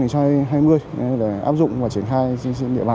đó là áp dụng và triển khai trên địa bàn